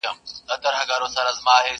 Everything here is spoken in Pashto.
نه د سرو ملو پیمانه سته زه به چیري ځمه.!